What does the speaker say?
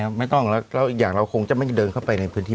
ไม่ต้องแล้วอีกอย่างเราคงจะไม่ได้เดินเข้าไปในพื้นที่